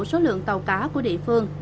số lượng tàu cá của địa phương